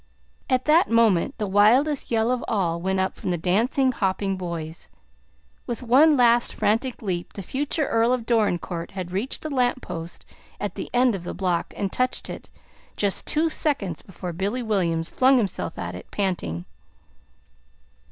At that moment, the wildest yell of all went up from the dancing, hopping boys. With one last frantic leap the future Earl of Dorincourt had reached the lamp post at the end of the block and touched it, just two seconds before Billy Williams flung himself at it, panting.